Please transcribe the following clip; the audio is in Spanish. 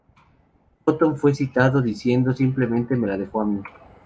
Cotton fue citado diciendo: "Simplemente me la dejó a mí.